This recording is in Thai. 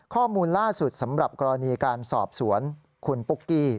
ข้อมูลล่าสุดสำหรับกรณีการสอบสวนคุณปุ๊กกี้